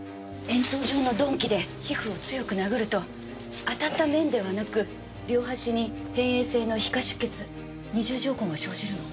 円筒状の鈍器で皮膚を強く殴ると当たった面ではなく両端に辺縁性の皮下出血二重条痕が生じるの。